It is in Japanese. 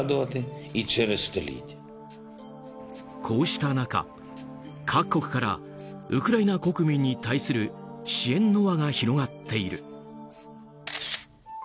こうした中、各国からウクライナ国民に対する支援の輪が広がっている。